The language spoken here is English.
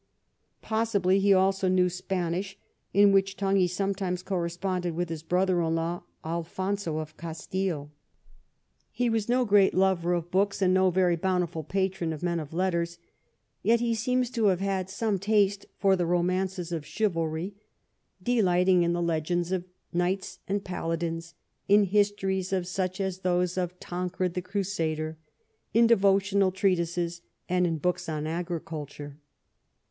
Possibly he also knew Spanish, in which tongue he sometimes corresponded with his brother in law Alfonso of Castile. He was no great lover of books and no very bountiful patron of men of letters ; yet he seems to have had some taste for the romances of chivalry, delighting in the legends of knights and paladins, in histories of such as those of Tancred the Crusader, in devotional treatises, and in books on agriculture.